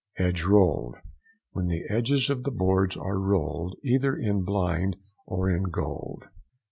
EDGE ROLLED.—When the edges of the boards are rolled, either in blind or in gold.